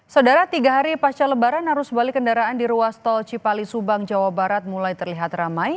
saudara tiga hari pasca lebaran arus balik kendaraan di ruas tol cipali subang jawa barat mulai terlihat ramai